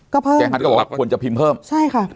ก็เพิ่มเจ๊ฮัทก็บอกว่าควรจะพิมพ์เพิ่มใช่ค่ะ